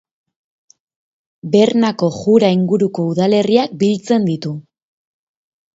Bernako Jura inguruko udalerriak biltzen ditu.